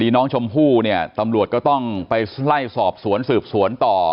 น้องชมพู่เนี่ยตำรวจก็ต้องไปไล่สอบสวนสืบสวนต่อ